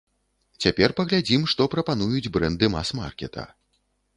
Цяпер паглядзім, што прапануюць брэнды мас-маркета.